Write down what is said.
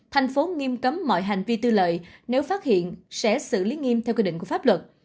thành phố nghiêm cấm mọi hành vi tư lợi nếu phát hiện sẽ xử lý nghiêm theo quy định của pháp luật